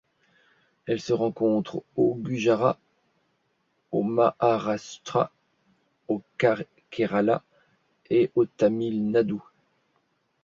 Elle se rencontre au Gujarat, au Maharashtra, au Kerala et au Tamil Nadu.